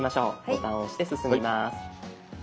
ボタンを押して進みます。